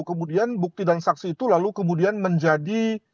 kemudian bukti dan saksi itu lalu kemudian menjadi